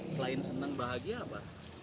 selain senang bahagia apa